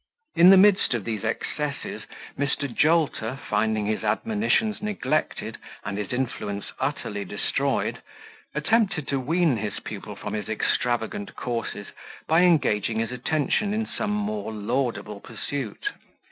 In the midst of these excesses, Mr. Jolter, finding his admonitions neglected and his influence utterly destroyed, attempted to wean his pupil from his extravagant courses, by engaging his attention in some more laudable pursuit.